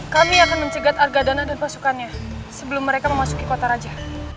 kami akan mencegat harga dana dan pasukannya sebelum mereka memasuki kota raja